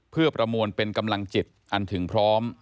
เพื่อประมวลเป็นกำลังจิตอันถึงพร้อม